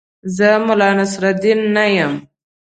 زه ملا نصرالدین نه یم.